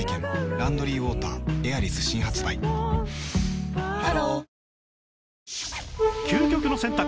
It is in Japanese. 「ランドリーウォーターエアリス」新発売ハロー究極の選択